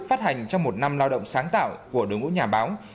phát hành trong một năm lao động sáng tạo của đối ngũ nhà báo